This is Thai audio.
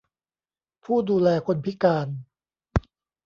ผู้ดูแลคนพิการ